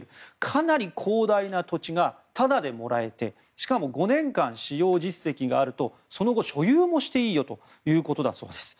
かなり広大な土地がただでもらえてしかも５年間使用実績があるとその後、所有もしていいということだそうです。